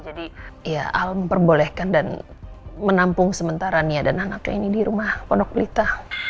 jadi ya al memperbolehkan dan menampung sementara nia dan anaknya ini di rumah ponok pelita